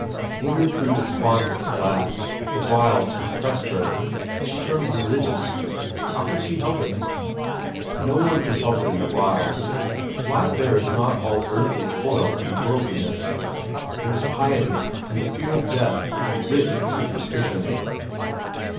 Inger grew despondent at last, the wilds oppressed her, she turned religious. How could she help it? No one can help it in the wilds; life there is not all earthly toil and worldliness; there is piety and the fear of death and rich superstition.